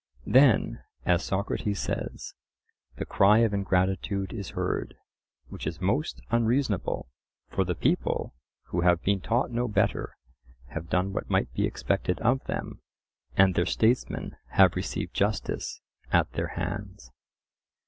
Then, as Socrates says, the cry of ingratitude is heard, which is most unreasonable; for the people, who have been taught no better, have done what might be expected of them, and their statesmen have received justice at their hands.